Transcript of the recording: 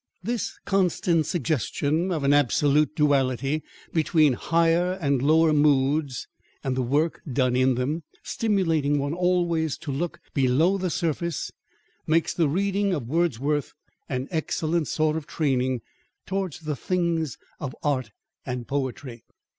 This constant suggestion of an absolute duality between higher and lower moods, and the work done in them, stimulating one always to look below the surface, makes the reading of Wordsworth an excellent sort of training towards the things of art and poetry.